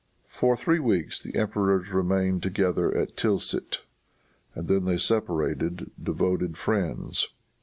For three weeks the emperors remained together at Tilsit, and then they separated devoted friends.